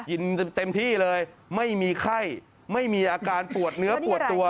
กินเต็มที่เลยไม่มีไข้ไม่มีอาการปวดเนื้อปวดตัว